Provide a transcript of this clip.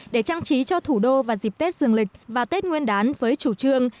để trang trí cho thủ đô vào dịp tết dương lịch và tết nguyên đán với chủ trương